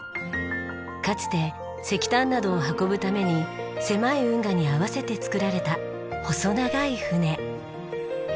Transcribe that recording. かつて石炭などを運ぶために狭い運河に合わせて作られた細長い船。